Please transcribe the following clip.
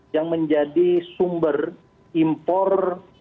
yang menjadi sumber impor